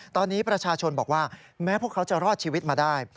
ตอนนี้ประชาชนบอกว่าแม้พวกเขาจะรอดชีวิตมาได้